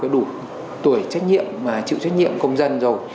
đủ tuổi trách nhiệm mà chịu trách nhiệm công dân rồi